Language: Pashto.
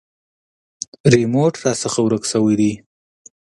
ریموټ راڅخه ورک شوی دی .